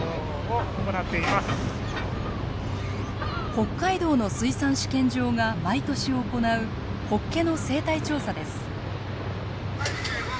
北海道の水産試験場が毎年行うホッケの生態調査です。